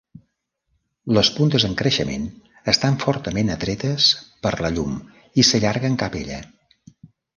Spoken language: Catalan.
Les puntes en creixement estan fortament atretes per la llum i s'allarguen cap ella.